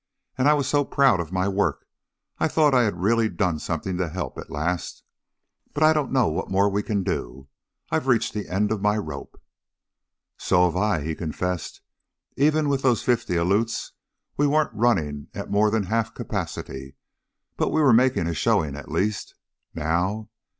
"And I was so proud of my work. I thought I had really done something to help at last. But I don't know what more we can do. I've reached the end of my rope." "So have I," he confessed. "Even with those fifty Aleuts, we weren't running at more than half capacity, but we were making a showing at least. Now!"